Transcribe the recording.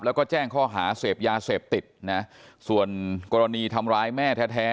แล้วก็แจ้งข้อหาเสพยาเสพติดนะส่วนกรณีทำร้ายแม่แท้